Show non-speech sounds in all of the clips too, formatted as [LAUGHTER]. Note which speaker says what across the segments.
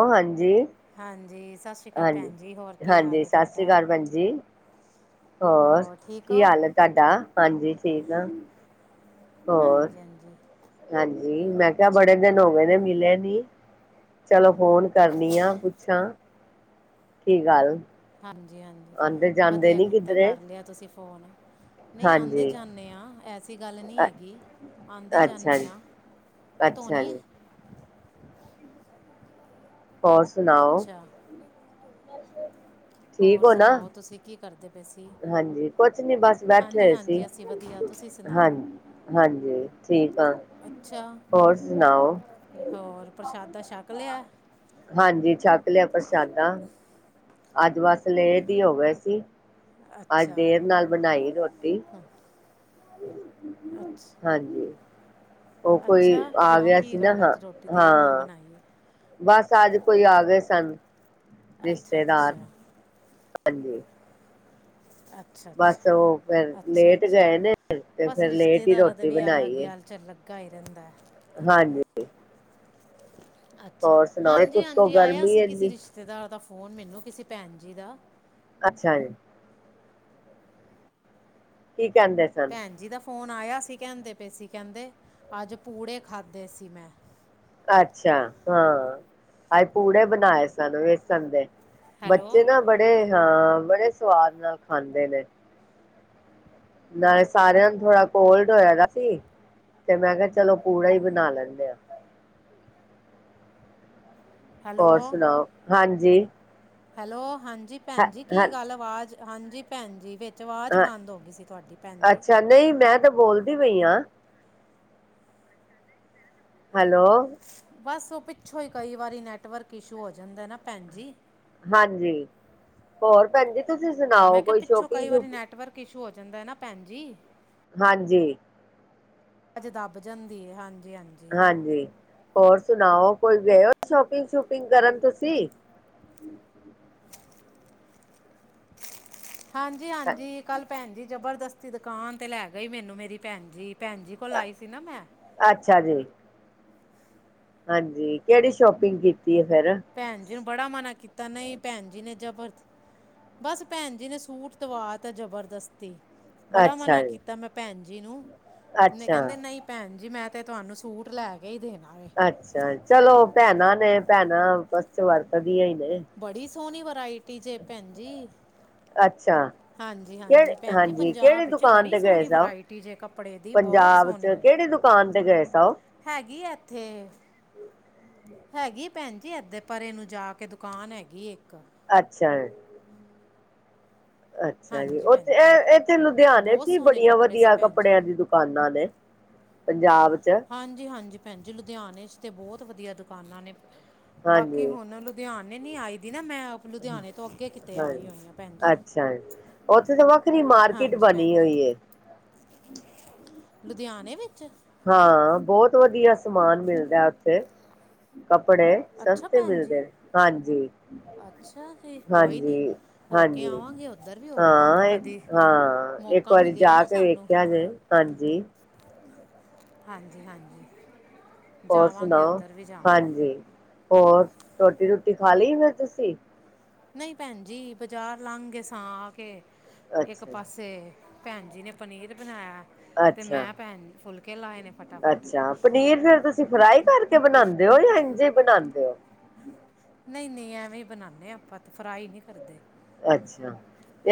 Speaker 1: ਉਹ ਹਾਂਜੀ।
Speaker 2: ਹਾਂਜੀ, ਸਤਿ ਸ੍ਰੀ ਅਕਾਲ
Speaker 1: ਹਾਂਜੀ
Speaker 2: ਭੈਣ ਜੀ, ਹੋਰ ਕੀ
Speaker 1: ਹਾਂਜੀ
Speaker 2: ਹਾਲ
Speaker 1: ਸਤਿ ਸ੍ਰੀ
Speaker 2: ਤੁਹਾਡਾ?
Speaker 1: ਅਕਾਲ ਭੈਣ ਜੀ ਹੋਰ
Speaker 2: ਠੀਕ ਹੋ
Speaker 1: ਕੀ ਹਾਲ ਹੈ ਤੁਹਾਡਾ? ਹਾਂਜੀ। [UNINTELLIGIBLE] ਹੋਰ
Speaker 2: ਹਾਂਜੀ- ਹਾਂਜੀ।
Speaker 1: ਹਾਂਜੀ ਮੈਂ ਕਿਹਾ ਬੜੇ ਦਿਨ ਹੋ ਗਏ ਨੇ ਮਿਲੇ ਨੀ ਚਲੋ ਫੋਨ ਕਰਨੀ ਆ ਪੁੱਛਾਂ‌। ਕੀ ਗੱਲ।
Speaker 2: ਹਾਂਜੀ,
Speaker 1: ਆਉਂਦੇ ਜਾਂਦੇ
Speaker 2: ਵਧੀਆ
Speaker 1: ਨੀ
Speaker 2: ਕੀਤਾ
Speaker 1: ਕਿਧਰੇ
Speaker 2: ਕਰ ਲਿਆ ਤੁਸੀਂ। ਫੋਨ ਨਹੀਂ, ਆਉਂਦੇ
Speaker 1: ਹਾਂਜੀ
Speaker 2: ਜਾਂਦੇ ਹਾਂ, ਐਸੀ ਗੱਲ ਨਹੀਂ
Speaker 1: ਅ
Speaker 2: ਹੈਗੀ ਆਂਦੇ
Speaker 1: ਅੱਛਾ
Speaker 2: ਜਾਂਦੇ
Speaker 1: ਜੀ
Speaker 2: ਹਾਂ, ਇਹ
Speaker 1: ਅੱਛਾ
Speaker 2: ਧੋਨੀ ਹੈ।
Speaker 1: ਜੀ ਹੋਰ ਸੁਣਾਓ
Speaker 2: ਅੱਛਾ, ਹੋਰ
Speaker 1: ਠੀਕ ਹੋ ਨਾ
Speaker 2: ਸੁਣਾਓ ਤੁਸੀਂ ਕੀ ਕਰਦੇ? ਪਏ ਸੀ
Speaker 1: ਹਾਂਜੀ, ਕੁਛ ਨੀ ਬਸ
Speaker 2: ਹਾਂਜੀ
Speaker 1: ਬੈਠੇ ਸੀ,
Speaker 2: ਹਾਂਜੀ ਅਸੀਂ ਵਧੀਆ ਤੁਸੀਂ
Speaker 1: ਹਾਂ,
Speaker 2: ਸੁਣਾਓ
Speaker 1: ਹਾਂਜੀ, ਠੀਕ ਆ।
Speaker 2: ਅੱਛਾ,
Speaker 1: ਹੋਰ ਸੁਣਾਓ
Speaker 2: ਹੋਰ ਪ੍ਰਸ਼ਾਦਾ ਸ਼ਕ ਲਿਆ।
Speaker 1: [INAUDIBLE] ਛੱਕ ਲਿਆ ਪ੍ਰਸ਼ਾਦਾ। ਅੱਜ ਬਸ ਲੇਟ ਹੋਗੇ ਸੀ। ਅੱਜ
Speaker 2: ਅੱਛਾ
Speaker 1: ਦੇਰ ਨਾਲ ਬਣਾਈ ਰੋਟੀ।
Speaker 2: ਅੱਛ
Speaker 1: ਹਾਂ। ਹਾਂਜੀ। ਉਹ ਕੋਈ
Speaker 2: ਅੱਛਾ,
Speaker 1: ਆ
Speaker 2: ਕਿਉਂ
Speaker 1: ਗਿਆ
Speaker 2: ਕੀ
Speaker 1: ਸੀ ਨਾ
Speaker 2: ਗੱਲ
Speaker 1: ਹਾਂ
Speaker 2: ਅੱਜ ਰੋਟੀ ਦੇਰ ਨਾਲ
Speaker 1: ਹਾਂ
Speaker 2: ਬਣਾਈਏ।
Speaker 1: ਬਸ ਅੱਜ ਕੋਈ ਆ ਗਏ ਸਨ।
Speaker 2: ਅੱਛਾ-
Speaker 1: ਰਿਸ਼ਤੇਦਾਰ
Speaker 2: ਅੱਛਾ।
Speaker 1: ਹਾਂਜੀ
Speaker 2: ਅੱਛਾ
Speaker 1: ਬਸ ਉਹ ਫਿਰ
Speaker 2: ਅੱਛਾ ਅੱਛਾ
Speaker 1: ਲੇਟ
Speaker 2: ਅੱਛਾ
Speaker 1: ਗਏ ਨੇ, ਤੇ
Speaker 2: ਬਸ
Speaker 1: ਫਿਰ ਲੇਟ ਹੀ ਰੋਟੀ ਬਣਾਈ ਹੈ‌।
Speaker 2: ਗਾਈ ਰਹਿੰਦਾ।
Speaker 1: ਹਾਂਜੀ।
Speaker 2: ਅੱਛਾ,
Speaker 1: ਹੋਰ ਸੁਣਾਓ ਇੱਕ ਉੱਤੋਂ
Speaker 2: ਹਾਂਜੀ-ਹਾਂਜੀ, ਆਇਆ
Speaker 1: ਗਰਮੀ
Speaker 2: ਸੀ ਕਿਸੇ
Speaker 1: ਇੰਨੀ
Speaker 2: ਰਿਸ਼ਤੇਦਾਰ ਦਾ ਫੋ ਫੋਨ ਮੈਨੂੰ ਕਿਸੇ ਭੈਣ ਜੀ ਦਾ।
Speaker 1: ਅੱਛਾ ਜੀ। ਕੀ ਕਹਿੰਦੇ ਸਨ।
Speaker 2: ਫ਼ੋਨ ਆਇਆ ਸੀ, ਕਹਿੰਦੇ ਪੇ ਸੀ ਕਹਿੰਦੇ ਅੱਜ ਪੂੜੇ ਖਾਧੇ ਸੀ ਮੈਂ।
Speaker 1: ਅੱਛਾ, ਹਾਂ, ਅੱਜ ਪੂੜੇ ਬਣਾਏ ਸਨ ਵੇਸਨ ਦੇ।
Speaker 2: ਹੈਲੋ
Speaker 1: ਬੱਚੇ ਨਾ ਬੜੇ ਹਾਂ, ਬੜੇ ਸਵਾਦ ਨਾਲ ਖਾਂਦੇ ਨੇ। ਨਾਲੇ ਸਾਰਿਆਂ ਨੂੰ ਥੋੜਾ ਕੋਲਡ ਹੋਇਆ ਸੀ, ਤੇ ਮੈਂ ਕਿਹਾ ਚਲੋ ਪੂੜਾ ਹੀ ਬਣਾ ਲੈਂਦੇ ਆ।
Speaker 2: ਹੈਲੋ
Speaker 1: ਹੋਰ ਸੁਣਾਓ, ਹਾਂਜੀ। ਜੀ।
Speaker 2: ਹੈਲੋ, ਹਾਂਜੀ। ਜੀ ਭੈਣ ਜੀ, ਕੀ ਗੱਲ ਅਵਾਜ਼ ਹਾਂਜੀ ਭੈਣ ਜੀ ਵਿੱਚ ਅਵਾਜ਼
Speaker 1: ਹਾਂ
Speaker 2: ਬੰਦ ਹੋ ਗਈ ਸੀ ਤੁਹਾਡੀ ਭੈਣ ਜੀ।
Speaker 1: ਅੱਛਾ ਨਹੀਂ ਮੈਂ ਤਾਂ ਬੋਲਦੀ ਪਈ ਆ। ਹੈਲੋ।
Speaker 2: ਬਸ ਉਹ ਪਿੱਛੋਂ ਹੀ ਕਈ ਵਾਰੀ ਨੈਟਵਰਕ ਇਸ਼ੂ ਹੋ ਜਾਂਦਾ ਨਾ ਭੈਣ ਜੀ।
Speaker 1: ਹਾਂਜੀ, ਹੋਰ ਭੈਣ ਜੀ। ਤੁਸੀਂ ਸੁਣਾਓ,
Speaker 2: ਮੈਂ ਕਿਹਾ
Speaker 1: ਕੋਈ
Speaker 2: ਪਿੱਛੋਂ ਕਈ
Speaker 1: ਸ਼ੋਪੀਗ
Speaker 2: ਵਾਰੀ ਨੈਟਵਰਕ ਇਸ਼ੂ ਹੋ ਜਾਂਦਾ ਨਾ ਭੈਣ ਜੀ।
Speaker 1: ਹਾਂਜੀ।
Speaker 2: ਵਾਜ ਦੱਬ ਜਾਂਦੀ ਐ, ਹਾਂਜੀ।
Speaker 1: ਹਾਂਜੀ। ਹੋਰ ਸੁਣਾਓ, ਕੋਈ ਗਏ ਹੋ ਸ਼ੋਪਿੰਗ- ਸ਼ੂਪਿੰਗ ਕਰਨ ਤੁਸੀਂ।
Speaker 2: [UNINTELLIGIBLE] ਹਾਂਜੀ-ਹਾਂਜੀ ਕੱਲ ਭੈਣ ਜੀ ਜਬਰ ਦਸਤੀ ਦੁਕਾਨ ਤੇ ਲੈ ਗਈ, ਮੈਨੂੰ ਮੇਰੀ ਭੈਣ ਜੀ। ਭੈਣ ਜੀ ਕੋਲ ਆਈ ਸੀ ਨਾ ਮੈਂ
Speaker 1: ਅੱਛਾ ਜੀ। ਹਾਂਜੀ, ਕਿਹੜੀ ਸ਼ੋਪਿੰਗ ਕੀਤੀ? ਹੈ ਫਿਰ
Speaker 2: ਭੈਣ ਜੀ ਨੂੰ ਬੜਾ ਮਨਾ ਕੀਤਾ ਤਾਂ ਨਈ ਭੈਨ ਜੀ ਨੇ ਜਬਰਤ ਬੱਸ ਭੈਨਜੀ ਨੇ ਸੂਟ ਦਵਾਤੈ ਜਬਰਜਸਤੀ। ਬੜਾ
Speaker 1: ਅੱਛਾ
Speaker 2: ਮਨਾ
Speaker 1: ਜੀ
Speaker 2: ਕੀਤਾ ਮੈਂ ਭੈਨ ਜੀ ਨੂੰ, ਨੇ
Speaker 1: ਅੱਛਾ
Speaker 2: ਕਹਿੰਦੇ ਨਹੀਂ ਭੈਨ ਜੀ ਮੈਂ ਤੇ ਤੁਆਨੂੰ ਸੂਟ ਲੈ ਕੇ ਹੀ ਦੇਣਾ ਵੇ
Speaker 1: ਅੱਛਾ, ਚਲੋ ਭੈਨਾਂ ਨੇ ਭੈਨਾਂ ਆਪਸਚ ਵਰਤਨ ਦਿਆਂ ਈ ਨੇ
Speaker 2: ਸੋਨੀ ਵਰਾਈ ਟੀ ਜੇ ਭੈਨ ਜੀ।
Speaker 1: ਅੱਛਾ
Speaker 2: ਹਾਂਜੀ, ਹਾਂਜੀ
Speaker 1: ਕਿਹੜੇ
Speaker 2: ਭੈਨ ਜੀ
Speaker 1: ਹਾਂਜੀ
Speaker 2: ਪੰਜਾਬ
Speaker 1: ਕਿਹੜੀ
Speaker 2: ਵਿਚ
Speaker 1: ਦੁਕਾਨ
Speaker 2: ਬੜੀ
Speaker 1: ਤੇ ਗਏ
Speaker 2: ਸੋਨੀ
Speaker 1: ਸੋ
Speaker 2: ਵਰਾਇਟੀ ਜੇ ਕੱਪੜੇ ਦੀ ਬੋਤ
Speaker 1: ਪੰਜਾਬ ਚ
Speaker 2: ਸੋਨੀ,
Speaker 1: ਕਿਹੜੀ ਦੁਕਾਨ ਤੇ ਗਏ ਸੋ
Speaker 2: ਹੈਗੀ ਐਥੇ ਹੈਗੀ ਭੈਨ ਜੀ ਏਦੇ ਪਰੇ ਨੂੰ ਜਾ ਕੇ ਦੁਕਾਨ ਹੈਗੀ ਏਕ।
Speaker 1: ਅੱਛਾ। ਅੱਛਾ ਜੀ।
Speaker 2: ਹਾਂਜੀ ਭੈਣ
Speaker 1: ਓਥੇ ਐ
Speaker 2: ਜੀ
Speaker 1: ਐ ਤੇ ਲੁਦੇਆਨੇ
Speaker 2: ਬਹੁਤ
Speaker 1: ਚ ਹੀ
Speaker 2: ਸੋਹਣੇ
Speaker 1: ਬੜੀਆਂ
Speaker 2: ਕੱਪੜੇ ਸੀ
Speaker 1: ਵਦੀਆ
Speaker 2: ਭੈਣ ਜੀ
Speaker 1: ਕੱਪੜੇਆਂ ਦੀ ਦੁਕਾਨਾਂ ਨੇ। ਪੰਜਾਬ ਚ
Speaker 2: ਹਾਂਜੀ, ਹਾਂਜੀ। ਭੈਨ ਜੀ ਲੁਦੇਆਨ ਚ ਤੇ ਬੋਤ ਵਦੀਆ ਦੁਕਾਨਾਂ ਨੇ। ਬਾਕੀ
Speaker 1: ਹਾਂਜੀ
Speaker 2: ਹੁਨ ਲੁਦੇਆ ਨਈ, ਨਈ ਆਈ ਦੀ ਨਾ ਮੈਂ ਆਪ ਲੁਦੇਆਣੇ ਤੋਂ, ਅੱਗੇ ਕਿਤੇ ਆਈ
Speaker 1: ਹਾਂਜੀ
Speaker 2: ਹੋਈ ਆਂ ਭੈਨ ਜੀ।
Speaker 1: ਪੂਰੀ ਮਾਰਕਿਟ
Speaker 2: ਹਾਂਜੀ
Speaker 1: ਬਨੀ
Speaker 2: ਭੈਣ ਜੀ
Speaker 1: ਹੋਈ ਏ।
Speaker 2: ਲੁਧੇਆਨੇ ਵਿੱਚ?
Speaker 1: ਹਾਂ, ਬੋਤ ਵਦੀਆ ਸਮਾਨ ਮਿਲਦੈ ਓਥੇ। ਕੱਪੜੇ,
Speaker 2: ਅੱਛਾ
Speaker 1: ਸਸਤੇ
Speaker 2: ਭੈਣ ਜੀ।
Speaker 1: ਮਿਲਦੇ ਨੇ। ਹਾਂਜੀ,
Speaker 2: ਅੱਛਾ ਜੀ ਕੋਈ ਨਹੀਂ
Speaker 1: ਹਾਂਜੀ,
Speaker 2: ਹੋ ਕੇ
Speaker 1: ਹਾਂਜੀ
Speaker 2: ਆਵਾਂਗੇ ਉੱਧਰ ਵੀ ਹੋਵਾਂਗੇ
Speaker 1: ਹਾਂ-
Speaker 2: ਕਦੀ
Speaker 1: ਹਾਂ ਇੱਕ
Speaker 2: ਮੌਕਾ
Speaker 1: ਵਾਰੀ
Speaker 2: ਮਿਲਿਆ
Speaker 1: ਜਾ
Speaker 2: ਨਾ
Speaker 1: ਕੇ
Speaker 2: ਸਾਨੂੰ
Speaker 1: ਵੇਖਿਆ ਜੇ, ਹਾਂਜੀ।
Speaker 2: ਹਾਂਜੀ, ਹਾਂਜੀ।
Speaker 1: ਹੋਰ
Speaker 2: ਜਾਵਾਂਗੇ
Speaker 1: ਸੁਨਾਓ,
Speaker 2: ਉੱਧਰ ਵੀ ਜਾਵਾਂਗੇ
Speaker 1: ਹਾਂਜੀ। ਹੋਰ ਰੋਟੀ- ਰੁਟੀ ਖਾ ਲੀ ਫੇਰ ਤੁਸੀ?
Speaker 2: ਨਹੀਂ ਭੈਨ ਜੀ, ਬਜਾਰ ਲੰਗ ਗੇ ਸਾਂ ਆ ਕੇ ਏਕ
Speaker 1: ਅੱਛਾ,
Speaker 2: ਪਾਸੇ ਭੈਨ ਜੀ ਨੇ ਪਨੀਰ ਬਨਾਏਆ
Speaker 1: ਅੱਛਾ,
Speaker 2: ਨੇ ਫਟਾਫਟ
Speaker 1: ਅੱਛਾ ਪਨੀਰ ਫੇਰ ਤੁਸੀਂ ਫਰਾਈ ਕਰਕੇ ਬਨਾਂਦੇ ਦੇ ਹੋ? ਜਾਂ ਇੰਜੇ ਬਨਾਂਦੇ ਓ।
Speaker 2: ਨਈ, ਨਈ ਐਵੇਂ ਈ ਬਨਾਨੇ ਆ। ਆਪਾਂ ਤੇ ਫਰਾਈ ਨਈ ਕਰਦੇ।
Speaker 1: ਅੱਛਾ,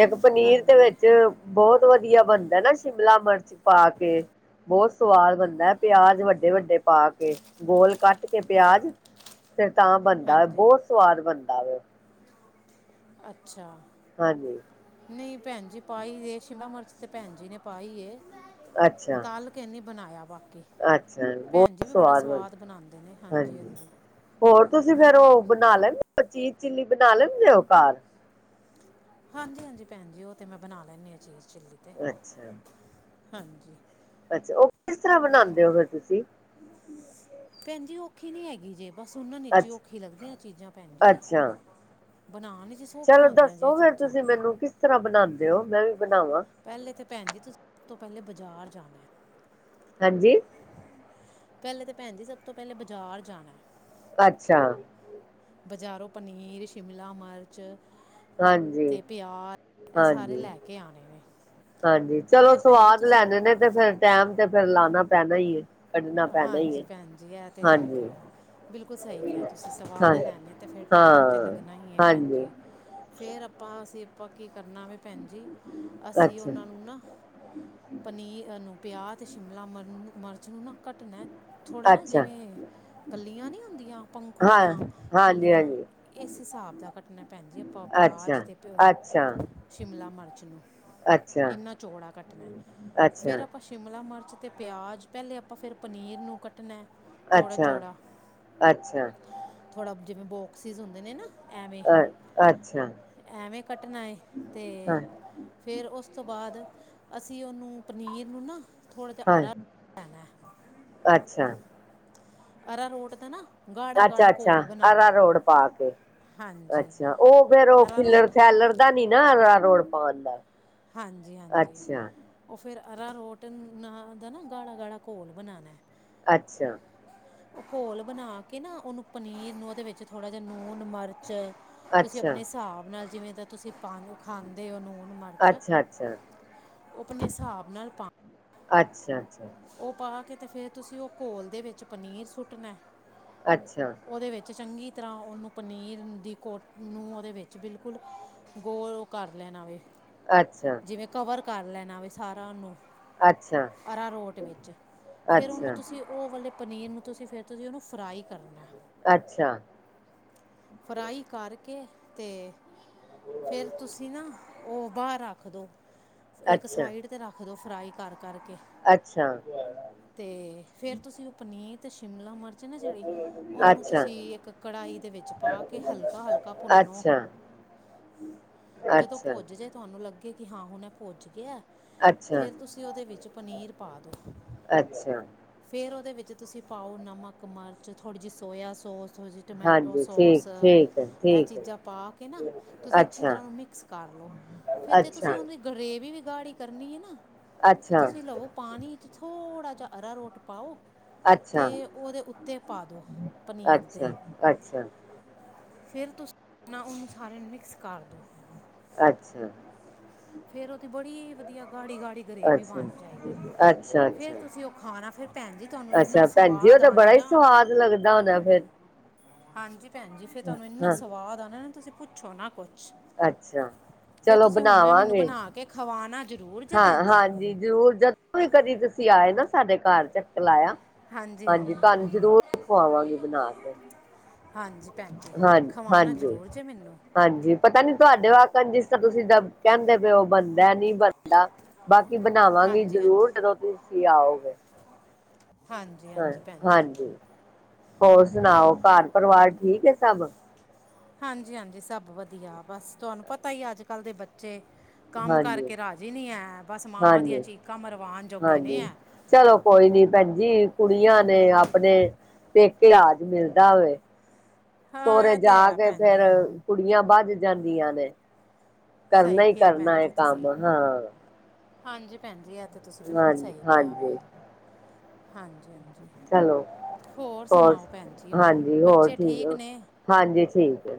Speaker 1: ਏਕ ਪਨੀਰ ਦੇ
Speaker 2: ਹਾਂਜੀ
Speaker 1: ਵਿੱਚ ਬੋਤ ਵਦੀਆ ਬਨਦੈ ਨਾ ਸ਼ਿਮਲਾ ਮਰਚ ਪਾ ਕੇ, ਬੋਤ ਸਵਾਦ ਬਨਦਾ ਐ ਪੇਆਜ ਵੱਡਾ ਵਡੇ- ਵੱਡੇ ਪਾ ਕੇ, ਗੋਲ ਕੱਟ ਕੇ ਪਿਆਜ ਫਿਰ ਤਾਂ ਬਣਦਾ
Speaker 2: ਹਾਂਜੀ
Speaker 1: ਬਹੁਤ ਸਵਾਦ ਬਣਦਾ। [INAUDIBLE]
Speaker 2: ਅੱਛਾ।
Speaker 1: ਹਾਂਜੀ।
Speaker 2: ਨਹੀਂ ਭੈਣ ਜੀ, ਪਾਈ ਇਹ ਸ਼ਿਮਲਾ ਮਿਰਚ ਭੈਣ ਜੀ ਨੇ ਪਾਈ ਹੈ।
Speaker 1: ਅੱਛਾ-ਅੱਛਾ,
Speaker 2: ਬਾਕੀ ਭੈਣ ਜੀ
Speaker 1: ਬਹੁਤ
Speaker 2: ਵੀ ਬੜਾ
Speaker 1: ਸਵਾਦ ਬਣ,
Speaker 2: ਬਣਾਉਂਦੇ ਨੇ
Speaker 1: ਹਾਂਜੀ ਹੋਰ ਤੁਸੀਂ ਫੇਰ ਉਹ ਬਣਾ ਲੈਦੇ ਚੀਜ਼ ਚਿੱਲੀ ਬਣਾ ਲੈਣਦੇ ਉਹ ਘਰ।
Speaker 2: ਹਾਂਜੀ-ਹਾਂਜੀ ਭੈਣ ਜੀ, ਉਹ ਤੇ ਮੈਂ ਬਣਾ ਲੈਂਦੀ ਆ ਚੀਜ਼ ਚਿੱਲੀ ਤੇ।
Speaker 1: ਅੱਛਾ
Speaker 2: ਹਾਂਜੀ।
Speaker 1: ਅੱਛਾ, ਉਹ ਕਿਸ ਤਰ੍ਹਾਂ ਬਣਾਉਂਦੇ ਹੋ ਫਿਰ ਤੁਸੀਂ। ਹਮ।
Speaker 2: ਉਖੀ ਨਹੀਂ ਹੈਗੀ ਜੇ। ਬਸ ਸੁਣਨ ਵਿੱਚ ਹੀ
Speaker 1: ਅੱਛ,
Speaker 2: ਔਖੀ ਲੱਗਦੀਆਂ ਚੀਜ਼ਾਂ ਭੈਣ ਜੀ
Speaker 1: ਅੱਛਾ,
Speaker 2: ਬਣਾਉਣ ਵਿੱਚ ਸੌਖੀਆਂ
Speaker 1: ਚਲੋ
Speaker 2: ਹੁੰਦੀਆਂ ਜੇ ਇਹ
Speaker 1: ਦੱਸੋ ਫੇਰ
Speaker 2: ਚੀਜ਼ਾਂ
Speaker 1: ਤੁਸੀਂ ਮੈਨੂੰ ਕਿਸ ਤਰ੍ਹਾਂ ਬਣਾਉਦੇ ਹੋ, ਮੈਂ ਵੀ ਬਣਾਵਾਂ।
Speaker 2: ਪਹਿਲੇ ਤੇ ਭੈਣ ਜੀ ਤੁਸੀਂ ਸਭ ਤੋਂ ਪਹਿਲੇ ਬਾਜ਼ਾਰ ਜਾਣਾ।
Speaker 1: ਹਾਂਜੀ।
Speaker 2: ਪਹਿਲੇ ਤਾਂ ਭੈਣ ਜੀ ਸਭ ਤੋਂ ਪਹਿਲੇ, ਬਜ਼ਾਰ ਜਾਣਾ।
Speaker 1: ਅੱਛਾ।
Speaker 2: ਬਜ਼ਾਰੋਂ ਪਨੀਰ ਸ਼ਿਮਲਾ ਮਿਰਚ
Speaker 1: ਹਾਂਜੀ
Speaker 2: ਤੇ ਪਿਆਜ ਇਹ ਸਾਰੇ
Speaker 1: ਹਾਂਜੀ
Speaker 2: ਲੈ ਕੇ ਆਣੇ ਨੇ।
Speaker 1: ਹਾਂਜੀ, ਚਲੋ
Speaker 2: ਫਿਰ ਭੈਣ ਜੀ
Speaker 1: ਸਵਾਦ
Speaker 2: ਤੁਸੀਂ
Speaker 1: ਲੈਣੇ ਨੇ ਤੇ ਫਿਰ ਟੈਮ ਤੇ ਫੇਰ ਲਾਣਾ ਪੇਣਾ
Speaker 2: ਹਾਂਜੀ ਭੈਣ ਜੀ ਇਹ ਤਾਂ ਹੈ,
Speaker 1: ਹਾਂਜੀ
Speaker 2: ਬਿਲਕੁਲ ਸਹੀ ਕਿਹਾ ਤੁਸੀਂ
Speaker 1: ਹਾਂ
Speaker 2: ਸਵਾਦ ਲੈਣੇ ਤੇ ਫਿਰ ਟਾਈਮ ਤਾਂ
Speaker 1: ਹਾਂ
Speaker 2: ਲੱਗਣਾ ਹੀ ਹੈ ਭੈਣ
Speaker 1: ਹਾਂਜੀ
Speaker 2: ਜੀ ਫੇਰ ਆਪਾਂ ਅਸੀਂ ਪੱਕੀ ਕਰਨਾ ਵ ਭੈਣ ਜੀ, ਅਸੀਂ
Speaker 1: ਅੱਛਾ
Speaker 2: ਉਹਨਾਂ ਨੂੰ ਨਾ ਪਨੀਰ ਨੂੰ ਪਿਆਜ ਅਤੇ ਸ਼ਿਮਲਾ ਮਰਚ ਨੂੰ ਨਾ ਕੱਟਣਾ, ਥੋੜ੍ਹਾ ਨਾ
Speaker 1: ਅੱਛਾ
Speaker 2: ਜਿਵੇਂ ਕੱਲੀਆਂ ਨਹੀਂ ਹੁੰਦੀਆਂ
Speaker 1: ਹਾਂ
Speaker 2: ਪੰਖੜੀਆਂ
Speaker 1: ਹਾਂਜੀ
Speaker 2: ਕੱਲੀਆਂ
Speaker 1: ਹਾਂਜੀ
Speaker 2: ਇਸ ਹਿਸਾਬ ਦਾ ਕੱਟਣਾ ਭੈਣ ਜੀ ਆਪਾਂ,
Speaker 1: ਅੱਛਾ
Speaker 2: ਪਿਆਜ਼ ਅਤੇ
Speaker 1: ਅੱਛਾ
Speaker 2: ਸ਼ਿਮਲਾ ਮਿਰਚ ਨੂੰ
Speaker 1: ਅੱਛਾ
Speaker 2: ਇਨਾ ਚੌੜਾ ਕੱਟਣਾ,
Speaker 1: ਅੱਛਾ
Speaker 2: ਫਿਰ ਆਪਾਂ ਸ਼ਿਮਲਾ ਮਿਰਚ ਤੇ ਪਿਆਜ ਪਹਿਲੇ ਆਪਾਂ ਫਿਰ ਪਨੀਰ ਨੂੰ ਕੱਟਣਾ। ਚੌੜਾ
Speaker 1: ਅੱਛਾ-
Speaker 2: ਚੌੜਾ
Speaker 1: ਅੱਛਾ।
Speaker 2: ਥੋੜ੍ਹਾ ਜਿਵੇਂ ਬੋਕਸਿਸ ਹੁੰਦੇ ਨੇ ਨਾ। ਐਵੇਂ,
Speaker 1: ਅ ਅੱਛਾ
Speaker 2: ਐਵੇਂ ਕੱਟਣਾ ਹੈ ਤੇ
Speaker 1: ਹਾਂ
Speaker 2: ਫੇਰ ਉਸ ਤੋਂ ਬਾਅਦ ਅਸੀਂ ਉਹਨੂੰ ਪਨੀਰ ਨੂੰ ਨਾ ਥੋੜ੍ਹਾ ਜਿਹਾ
Speaker 1: ਹਾਂ
Speaker 2: ਅਰਣ ਲੈਣਾ ਹੈ।
Speaker 1: ਅੱਛਾ!
Speaker 2: ਅਰਾਰੋਟ ਦਾ ਨਾ ਗਾੜਾ ਗਾੜਾ
Speaker 1: ਅੱਛਾ-ਅੱਛਾ
Speaker 2: ਘੋਲ
Speaker 1: ਅਰਾ
Speaker 2: ਬਣਾਉਣਾ
Speaker 1: ਰੋਡ ਪਾ ਕੇ
Speaker 2: ਹਾਂਜੀ
Speaker 1: ਅੱਛਾ ਉਹ ਫੇਰ ਉਹ ਖਿਲੜ
Speaker 2: ਅਰਾਰੋਟ
Speaker 1: ਸੈਲੜ ਦਾ ਨੀ ਨਾ ਅਰਾ ਰੋਡ ਬਦਾ
Speaker 2: ਹਾਂਜੀ-ਹਾਂਜੀ। ਫਿਰ ਅਰਾ ਰੋਟ ਨ ਦਾ ਨਾ ਗਾੜਾ-ਗਾੜਾ ਘੋਲ ਬਣਾਉਣਾ।
Speaker 1: ਅੱਛਾ।
Speaker 2: ਘੋਲ ਬਣਾ ਕੇ ਨਾ ਉਹਨੂੰ ਪਨੀਰ ਨੂੰ ਉਹਦੇ ਵਿੱਚ ਥੋੜਾ ਜਿਹਾ ਲੂਣ ਮਿਰਚ। ਤੁਸੀਂ
Speaker 1: ਅੱਛਾ
Speaker 2: ਆਪਣੇ ਹਿਸਾਬ ਨਾਲ। ਜਿਵੇਂ ਤਾਂ ਤੁਸੀਂ ਪਾ ਉਹ ਖਾਂਦੇ ਹੋ ਲੂਣ
Speaker 1: ਅੱਛਾ-ਅੱਛਾ।
Speaker 2: ਉਹ ਆਪਣੇ ਹਿਸਾਬ ਨਾਲ ਪਾ।
Speaker 1: ਅੱਛਾ- ਅੱਛਾ।
Speaker 2: ਉਹ ਪਾ ਕੇ ਤੇ ਫੇਰ ਤੁਸੀਂ ਉਹ ਘੋਲ ਦੇ ਵਿੱਚ ਪਨੀਰ ਸੁੱਟਣਾ।
Speaker 1: ਅੱਛਾ ਅੱਛਾ
Speaker 2: ਉਹਦੇ ਵਿੱਚ ਚੰਗੀ ਤਰ੍ਹਾਂ ਉਹਨੂੰ ਪਨੀਰ ਦੀ ਕੋਟ ਨੂੰ ਉਹਦੇ ਵਿੱਚ ਬਿਲਕੁਲ ਗੋਲ ਕਰ ਲੈਣਾ ਆਵੇ।
Speaker 1: ਅੱਛਾ‌।
Speaker 2: ਕਰ ਲੈਣਾ ਵੈ ਸਾਰਾ ਉਹਨੂੰ
Speaker 1: ਅੱਛਾ!
Speaker 2: ਅਰਾਰੋਟ ਵਿੱਚ ਫੇਰ ਉਹਨੂੰ
Speaker 1: ਅੱਛਾ
Speaker 2: ਤੁਸੀਂ ਉਹ ਵਾਲੇ ਪਨੀਰ ਨੂੰ ਤੁਸੀਂ ਫਿਰ ਤੁਸੀਂ ਉਹਨੂੰ ਫਰਾਈ ਕਰਨਾ।
Speaker 1: ਅੱਛਾ!
Speaker 2: ਫਰਾਈ ਕਰਕੇ ਤੇ ਫੇਰ ਤੁਸੀਂ ਨਾ ਉਹ ਬਾਹਰ ਰੱਖ ਦਿਓ। ਇੱਕ
Speaker 1: ਅੱਛਾ
Speaker 2: ਸਾਈਡ ਤੇ ਰੱਖ ਕਦੋਂ ਫਰਾਈ ਕਰਕੇ ਕਰਕੇ,
Speaker 1: ਅੱਛਾ
Speaker 2: ਤੇ ਫੇਰ ਤੁਸੀਂ ਉਹ ਪਨੀਰ ਸ਼ਿਮਲਾ ਮਰ ਨਾ ਜਿਹੜੀ ਉਹਨੂੰ
Speaker 1: ਅੱਛਾ
Speaker 2: ਤੁਸੀਂ ਇੱਕ ਕੜਾਹੀ ਦੇ ਵਿੱਚ ਪਾ ਕੇ ਹਲਕਾ- ਹਲਕਾ ਭੁੰਨੋ,
Speaker 1: ਅੱਛਾ
Speaker 2: ਜਦੋਂ
Speaker 1: ਅੱਛਾ
Speaker 2: ਪੁੱਜ ਜੇ ਤੁਹਾਨੂੰ ਲੱਗੇ ਕਿ ਹਾਂ ਹੁਣੇ ਪੁੱਜ ਗਿਆ।
Speaker 1: ਅੱਛਾ
Speaker 2: ਫੇਰ ਤੁਸੀਂ ਉਹਦੇ ਵਿੱਚ ਪਨੀਰ ਪਾ ਦੋ,
Speaker 1: ਅੱਛਾ
Speaker 2: ਫੇਰ ਉਹਦੇ ਵਿੱਚ ਤੁਸੀਂ ਪਾਓ ਨਮਕ ਮਿਰਚ ਥੋੜ੍ਹੀ ਜਿਹੀ ਸੋਇਆ ਸੋਸ। ਸੋਸੋ ਟਮੈਟੋ
Speaker 1: ਹਾਂਜੀ ਠੀਕ
Speaker 2: ਠੋਸ
Speaker 1: ਠੀਕ ਹੈ
Speaker 2: ਇਹ
Speaker 1: ਠੀਕ ਹੈ
Speaker 2: ਚੀਜ਼ਾਂ ਪਾ ਕੇ ਨਾ ਤੁਸੀਂ ਅੱਛੀ
Speaker 1: ਅੱਛਾ
Speaker 2: ਤਰ੍ਹਾਂ ਉਹ ਨੂੰ ਮਿਕਸ ਕਰਲੋ ਫੇਰ ਤੇ
Speaker 1: ਅੱਛਾ
Speaker 2: ਤੁਸੀਂ ਗਰੇਵ। ਗਰੇਵੀ ਵੀ ਗਾੜੀ ਕਰਨੀ ਹੈ ਨਾ? ਤੇ
Speaker 1: ਅੱਛਾ
Speaker 2: ਤੁਸੀਂ ਲਵੋ ਪਾਣੀ 'ਚ ਥੋੜ੍ਹੇ। ਥੋੜਾ ਜਿਹਾ ਅਰਾ ਰੋਟ ਪਾਓ।
Speaker 1: ਅੱਛਾ
Speaker 2: ਤੇ
Speaker 1: ਅੱਛਾ
Speaker 2: ਉਹਦੇ ਉੱਤੇ ਪਾ ਦਿਉ ਪਨੀਰ ਦੇ।
Speaker 1: ਅੱਛਾ ਅੱਛਾ
Speaker 2: ਫਿਰ ਤੁਸੀਂ ਆਪਣਾ ਇਹਨੂੰ ਸਾਰੇ ਨੂੰ ਮਿਕਸ ਕਰ ਦਿਉ।
Speaker 1: ਅੱਛਾ।
Speaker 2: ਫੇਰ ਉਹਦੀ ਬੜੀ ਵਧੀਆ। ਗਾੜੀ-ਗਾੜੀ ਗਰੇਵੀ
Speaker 1: ਅੱਛਾ
Speaker 2: ਬਣ ਜਾਏਗੀ
Speaker 1: ਅੱਛਾ
Speaker 2: ਫਿਰ
Speaker 1: ਅੱਛਾ
Speaker 2: ਤੁਸੀਂ ਉਹ ਖਾਣਾ ਫਿਰ ਭੈਣ ਜੀ ਤੁਹਾਨੂੰ ਇੰਨਾ
Speaker 1: ਅੱਛਾ ਭੈਣ ਜੀ ਉਹ
Speaker 2: ਸਵਾਦ
Speaker 1: ਤਾਂ
Speaker 2: ਆਣਾ
Speaker 1: ਬੜਾ
Speaker 2: ਹੈ
Speaker 1: ਹੀ
Speaker 2: ਨਾ
Speaker 1: ਸਵਾਦ ਲੱਗਦਾ ਹੋਣਾ ਫਿਰ?
Speaker 2: ਹਾਂਜੀ। ਭੈਣ ਜੀ ਫਿਰ ਤੁਹਾਨੂੰ ਇੰਨਾ
Speaker 1: ਹਾਂ
Speaker 2: ਸਵਾਦ ਆ ਨਾ। ਤੁਸੀਂ ਪੁੱਛੋ ਨਾ ਕੁੱਛ।
Speaker 1: ਅੱਛਾ ਚਲੋ ਬਣਾਵਾਂਗੇ।
Speaker 2: ਆਕੇ ਖਵਾਨਣਾ।
Speaker 1: ਹਾਂ, ਹਾਂਜੀ, ਜ਼ਰੂਰ ਜਦੋਂ ਵੀ ਕਦੀ ਤੁਸੀਂ ਆਏ ਨਾ ਸਾਡੇ ਘਰ ਚੱਕਰ ਲਾਇਆ। ਹਾਂਜੀ, ਤੁਹਾਨੂੰ ਜ਼ਰੂਰ ਖਵਾਵਾਂਗੇ ਬਣਾ ਕੇ
Speaker 2: ਹਾਂਜੀ ਭੈਣ ਜੀ
Speaker 1: ਹਾਂ
Speaker 2: ਖਵਾਣਾ
Speaker 1: ਹਾਂਜੀ-
Speaker 2: ਜ਼ਰੂਰ ਜੇ ਮੈਨੂੰ
Speaker 1: ਹਾਂਜੀ ਪਤਾ ਨੀ ਤੁਹਾਡੇ ਵਕ ਜਿਸਦਾ ਤੁਸੀਂ ਦੱਸਦੇ ਕਹਿੰਦੇ ਪਏ ਹੋ ਬਣਦਾ ਨਹੀਂ। ਲਾ ਬਾਕੀ ਬਣਾਵਾਂਗੀ
Speaker 2: ਹਾਂਜੀ ਹਾਂਜੀ
Speaker 1: ਜਰੂਰ ਜਦੋਂ ਤੁਸੀਂ ਆਓਗੇ।
Speaker 2: ਹਾਂਜੀ
Speaker 1: ਹੂੰ,
Speaker 2: ਹਾਂਜੀ ਭੈਣ ਜੀ
Speaker 1: ਹਾਂਜੀ, ਹੋਰ ਸੁਣਾਓ ਘਰ ਪਰਿਵਾਰ ਠੀਕ ਹੈ ਸਭ?
Speaker 2: ਹਾਂਜੀ-ਹਾਂਜੀ, ਸਭ ਵਧੀਆ ਬਸ ਤੁਹਾਨੂੰ ਪਤਾ ਹੀ ਅੱਜ ਕੱਲ ਦੇ ਬੱਚੇ। ਕੰਮ
Speaker 1: ਹਾਂਜੀ
Speaker 2: ਕਰਕੇ ਰਾਜ਼ੀ ਨਹੀਂ ਹੈ, ਬਸ ਮਾਵਾਂ ਦੀਆਂ
Speaker 1: ਹਾਂਜੀ
Speaker 2: ਚੀਕਾਂ ਮਰਵਾਨ ਜੋਗੇ ਨੇ
Speaker 1: ਹਾਂਜੀ
Speaker 2: ਹੈ।
Speaker 1: ਚਲੋ ਕੋਈ ਨੀ ਭੈਣ ਜੀ ਕੁੜੀਆਂ ਨੇ ਆਪਣੇ ਪੇਕੇ ਰਾਜ ਮਿਲਦਾ ਹੋਵੇ।
Speaker 2: ਹਾਂ
Speaker 1: ਸਹੁਰੇ
Speaker 2: ਇਹ
Speaker 1: ਜਾ
Speaker 2: ਤੇ ਹੈ
Speaker 1: ਕੇ
Speaker 2: ਭੈਣ
Speaker 1: ਫੇਰ
Speaker 2: ਜੀ
Speaker 1: ਕੁੜੀਆਂ ਬਾਅਦ। ਜਾਂਦੀਆਂ ਨੇ। ਕਰਨਾ
Speaker 2: ਸਹੀ
Speaker 1: ਹੀ
Speaker 2: ਕਿਹਾ
Speaker 1: ਕਰਨਾ
Speaker 2: ਭੈਣ
Speaker 1: ਹੈ
Speaker 2: ਜੀ ਤੁਸੀਂ
Speaker 1: ਕੰਮ ਹਾਂ।
Speaker 2: ਹਾਂਜੀ ਭੈਣ ਜੀ। ਤੇ ਤੁਸੀਂ ਬਿਲਕੁਲ
Speaker 1: ਹਾਂਜੀ
Speaker 2: ਸਹੀ ਕਿਹਾ ਆਵੇ।
Speaker 1: ਹਾਂਜੀ
Speaker 2: ਹਾਂਜੀ- ਹਾਂਜੀ।
Speaker 1: ਚਲੋ, ਹੋਰ
Speaker 2: ਸੁਣਾਓ ਭੈਣ ਜੀ
Speaker 1: ਹਾਂਜੀ ਹੋਰ
Speaker 2: ਬੱਚੇ
Speaker 1: ਠੀਕ
Speaker 2: ਨੇ
Speaker 1: ਹਾਂਜੀ ਠੀਕ ਹੈ।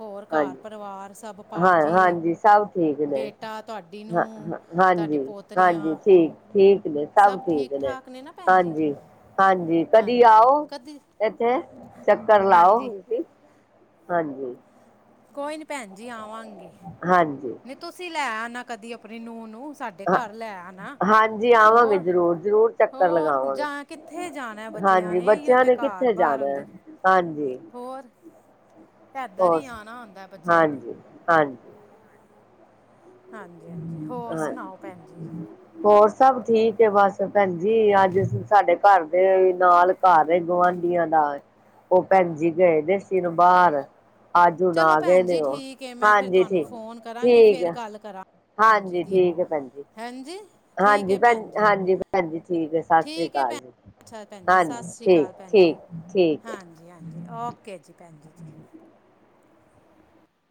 Speaker 2: ਹੋਰ ਘਰ
Speaker 1: ਹਾਂਜੀ
Speaker 2: ਪਰਿਵਾਰ ਸਭ।
Speaker 1: ਹਾਂ,
Speaker 2: ਭਾਜੀ
Speaker 1: ਹਾਂਜੀ, ਸਭ ਠੀਕ ਨੇ
Speaker 2: ਬੇਟਾ ਤੁਹਾਡੀ
Speaker 1: ਹ
Speaker 2: ਨੂੰ ਤੁਹਾਡੀ
Speaker 1: ਹਾਂਜੀ- ਹਾਂਜੀ,
Speaker 2: ਪੋਤਰੀਆਂ
Speaker 1: ਠੀਕ, ਠੀਕ ਨੇ ਸਭ ਠੀਕ ਨੇ
Speaker 2: ਠਾਕ ਨਾ ਭੈਣ ਜੀ
Speaker 1: ਹਾਂਜੀ- ਹਾਂਜੀ, ਕਦੀ
Speaker 2: ਹਾਂਜੀ
Speaker 1: ਆਓ
Speaker 2: ਕਦੀ
Speaker 1: ਇੱਥੇ ਚੱਕਰ ਲਾਓ
Speaker 2: ਹਾਂਜੀ
Speaker 1: ਤੁਸੀਂ। ਹਾਂਜੀ
Speaker 2: ਕੋਈ ਨੀ ਭੈਨ ਜੀ ਆਵਾਂਗੇ
Speaker 1: ਹਾਂਜੀ
Speaker 2: [UNINTELLIGIBLE] ਨਹੀਂ ਤੁਸੀਂ ਲੈ ਆ ਨਾ ਕਦੀ ਅਪਨੀ ਨੂੰ ਨੂੰ ਸਾਡੇ
Speaker 1: ਹਾਂ
Speaker 2: ਘਰ ਲੈ ਆ ਨਾ,
Speaker 1: ਹਾਂਜੀ ਆਵਾਂਗੇ
Speaker 2: ਹੋਰ-
Speaker 1: ਜ਼ਰੂਰ ਜ਼ਰੂਰ ਚੱਕਰ
Speaker 2: ਹੋਰ
Speaker 1: ਲਗਾਵਾਂਗੇ
Speaker 2: ਜਾ ਕਿੱਥੇ ਜਾਨਾ ਬੱਚੇਆਂ
Speaker 1: ਹਾਂਜੀ
Speaker 2: ਨੇ ਏਈਓ
Speaker 1: ਬੱਚਿਆਂ
Speaker 2: ਤੇ ਘਾਰ-
Speaker 1: ਕਿੱਥੇ
Speaker 2: ਬਾਰ
Speaker 1: ਜਾਣਾ
Speaker 2: ਹੋਂਦੇਨ
Speaker 1: ਹੈ ਹਾਂਜੀ
Speaker 2: ਹੋਰ ਏਦਰ
Speaker 1: ਹੋਰ
Speaker 2: ਈ ਆਨਾ ਹੁੰਦੈ ਬੱਚੇਆਂ ਨੇ।
Speaker 1: ਹਾਂਜੀ ਹਾਂਜੀ
Speaker 2: ਹਾਂਜੀ, ਹਾਂਜੀ ਹੋਰ
Speaker 1: ਹਾਂ
Speaker 2: ਸੁਨਾਓ ਭੈਨ ਜੀ
Speaker 1: ਹੋਰ ਸਭ ਠੀਕ ਏ ਬਸ ਭੈਨਜੀ ਅੱਜ ਅਸੀ ਸਾਡੇ ਘਰਦੇ ਨਾਲ਼ ਘਰ ਏ ਗੁਵਾਂਡੀਆਂ ਦਾ, ਓ ਭੈਨਜੀ ਗਏ ਦੇ ਸੀਨ ਬਾਰ
Speaker 2: ਚਲੋ ਭੈਨ ਜੀ ਠੀਕ ਐ, ਮੈਂ ਫੇਰ
Speaker 1: ਹਾਂਜੀ
Speaker 2: ਤੁਹਾਨੂੰ
Speaker 1: ਠੀਕ
Speaker 2: ਫੋਨ ਕਰਾਂਗੀ
Speaker 1: ਠੀਕ
Speaker 2: ਫੇਰ
Speaker 1: ਹੈ
Speaker 2: ਗੱਲ ਕਰਾਂ ਭੈਣ ਜੀ
Speaker 1: ਹਾਂਜੀ
Speaker 2: ਦੀ
Speaker 1: ਠੀਕ ਐ ਭੈਨ ਜੀ
Speaker 2: ਹਾਂਜੀ ਠੀਕ
Speaker 1: ਹਾਂਜੀ
Speaker 2: ਹੈ
Speaker 1: ਭੈਂਜੀ,
Speaker 2: ਭੈਣ ਜੀ
Speaker 1: ਹਾਂਜੀ ਭੈਂਜੀ, ਠੀਕ ਐ ਸਾਸ ਸ੍ਰੀ
Speaker 2: ਠੀਕ ਹੈ
Speaker 1: ਕਾਲ
Speaker 2: ਭੈਣ
Speaker 1: ਜੀ
Speaker 2: ਅੱਛਾ ਭੈਣ ਜੀ ਸਤਿ
Speaker 1: ਹਾਂਜੀ
Speaker 2: ਸ਼੍ਰੀ ਅਕਾਲ ਭੈਣ ਜੀ
Speaker 1: ਠੀਕ-ਠੀਕ ਠੀਕ ਐ
Speaker 2: ਹਾਂਜੀ ਹਾਂਜੀ [UNINTELLIGIBLE]